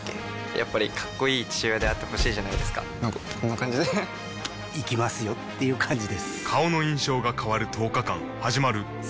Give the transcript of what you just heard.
やっぱりかっこいい父親であってほしいじゃないですかなんかこんな感じで行きますよっていう感じです